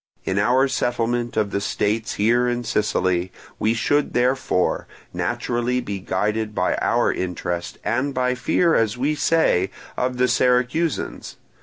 In our settlement of the states here in Sicily, we should therefore; naturally be guided by our interest, and by fear, as we say, of the Syracusans.